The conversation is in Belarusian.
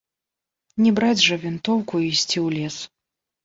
Не браць жа вінтоўку і ісці ў лес.